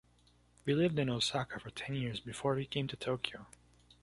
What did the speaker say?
We had lived in Osaka for ten years before we came to Tokyo.